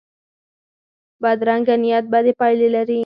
بدرنګه نیت بدې پایلې لري